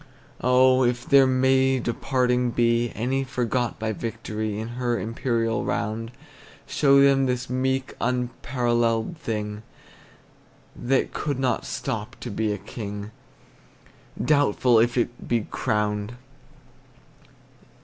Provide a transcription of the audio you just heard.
Oh, if there may departing be Any forgot by victory In her imperial round, Show them this meek apparelled thing, That could not stop to be a king, Doubtful if it be crowned!